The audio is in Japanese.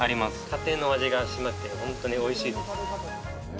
家庭の味がしまして、本当においしいです。